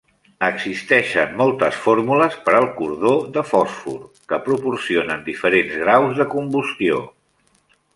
Existeixen moltes fórmules per al cordó de fòsfor, que proporcionen diferents graus de combustió.